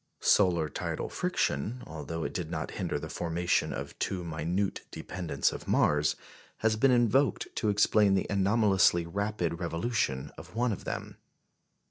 Solar tidal friction, although it did not hinder the formation of two minute dependents of Mars, has been invoked to explain the anomalously rapid revolution of one of them.